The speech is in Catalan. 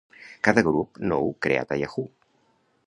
Cada grup nou creat a Yahoo!